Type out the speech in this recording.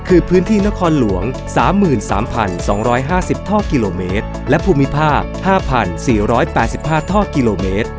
คือพื้นที่นครหลวง๓๓๒๕๐ท่อกิโลเมตรและภูมิภาค๕๔๘๕ท่อกิโลเมตร